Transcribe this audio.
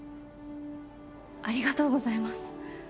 ありがとうございます。